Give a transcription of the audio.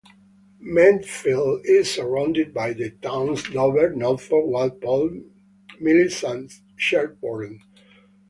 Medfield is surrounded by the towns Dover, Norfolk, Walpole, Millis, and Sherborn.